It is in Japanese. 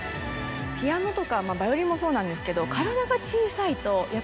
ピアノとかヴァイオリンもそうなんですけど。